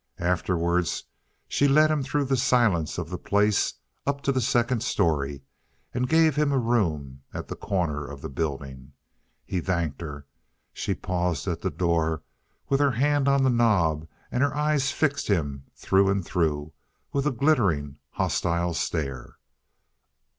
Afterwards she led him through the silence of the place up to the second story and gave him a room at the corner of the building. He thanked her. She paused at the door with her hand on the knob, and her eyes fixed him through and through with a glittering, hostile stare.